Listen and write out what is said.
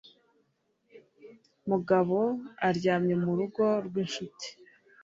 Mugabo aryamye mu rugo rw'inshuti.